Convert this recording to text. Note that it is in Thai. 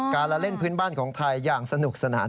ละเล่นพื้นบ้านของไทยอย่างสนุกสนาน